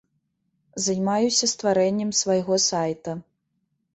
Займаюся стварэннем свайго сайта.